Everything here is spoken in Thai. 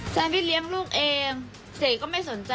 ฉันไม่เลี้ยงลูกเองเสกก็ไม่สนใจ